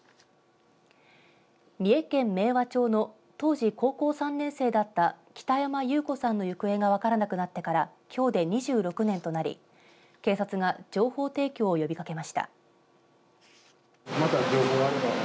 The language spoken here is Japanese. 三重県明和町の当時高校３年生だった北山結子さんの行方が分からなくなってからきょうで２６年となり警察が情報提供を呼びかけました。